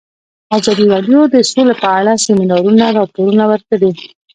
ازادي راډیو د سوله په اړه د سیمینارونو راپورونه ورکړي.